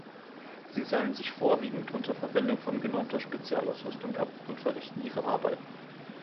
Sie seilen sich vorwiegend unter Verwendung von genormter Spezialausrüstung ab und verrichten ihre Arbeiten.